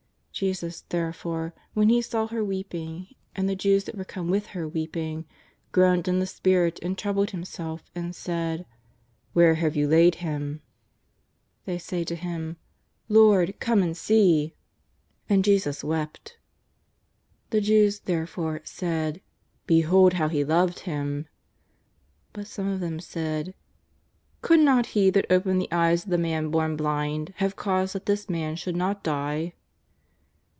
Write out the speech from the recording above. Jesus, therefore, when He saw her weeping, and the Jews that were come with her weeping, groaned in the spirit, and troubled Himself, and said :" Where have you laid him ?" They say to Him :" Lord, come and see." And Jesus wept. The Jews, therefore, said :" Behold how He loved him." But some of them said :" Could not He that opened the eyes of the man born blind have caused that this man should not die